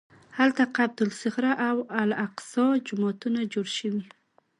هلته قبة الصخره او الاقصی جوماتونه جوړ شوي.